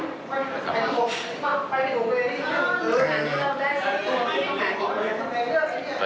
ตอนนี้มีทั้งมอบตัวและที่ติดตามจากกลุ่มได้